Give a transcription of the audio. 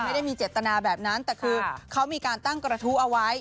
ไม่ได้มีเจตนาแบบนั้นแต่คือเขามีการตั้งกระทู้เอาไว้